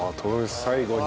最後に。